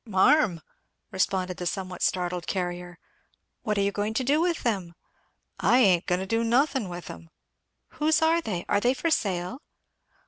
"Marm!" responded the somewhat startled carrier. "What are you going to do with them?" "I ain't going to do nothin' with 'em." "Whose are they? Are they for sale?"